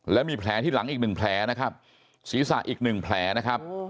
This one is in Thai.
และมีแผลที่หลังอีกหนึ่งแผลนะครับศีรษะอีกหนึ่งแผลนะครับ